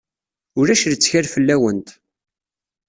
Ulac lettkal fell-awent.